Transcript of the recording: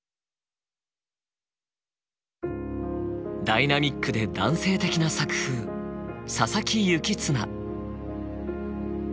ダイナミックで男性的な作風佐佐木幸綱。